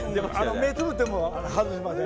目つぶっても外しません。